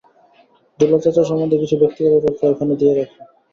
দুলাল চাচার সম্বন্ধে কিছু ব্যক্তিগত তথ্য এখানে দিয়ে রাখি।